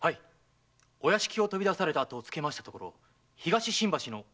お屋敷を飛び出された後をつけたところ東新橋の女大学へ。